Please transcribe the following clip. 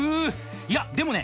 いやでもね